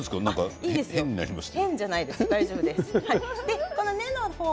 変になりました。